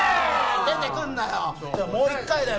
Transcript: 出てくんなよ